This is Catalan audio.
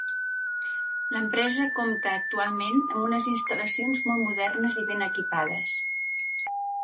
L'empresa compta actualment amb unes instal·lacions molt modernes i ben equipades.